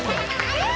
えっ？